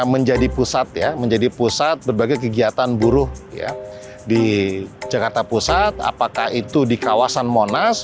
menjadi pusat ya menjadi pusat berbagai kegiatan buruh ya di jakarta pusat apakah itu di kawasan monas